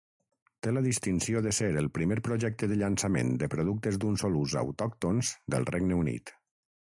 Té la distinció de ser el primer projecte de llançament de productes d'un sol ús autòctons del Regne Unit.